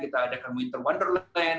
kita adakan winter wonderland